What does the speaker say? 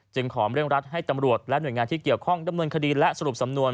ขอเรื่องรัฐให้ตำรวจและหน่วยงานที่เกี่ยวข้องดำเนินคดีและสรุปสำนวน